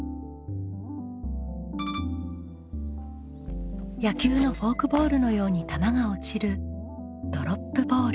野球のフォークボールのように球が落ちるドロップボール。